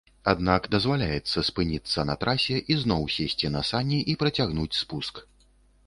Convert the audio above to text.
Аднак дазваляецца спыніцца на трасе, ізноў сесці на сані і працягнуць спуск.